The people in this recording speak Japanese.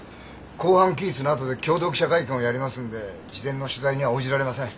公判期日のあとで共同記者会見をやりますんで事前の取材には応じられません。